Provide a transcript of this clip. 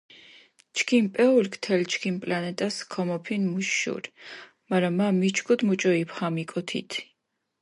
ჩქიმ პეულქ თელ ჩქიმ პლანეტას ქომოფინჷ მუშ შური, მარა მა მიჩქუდჷ მუჭო იბჰამიკო თით.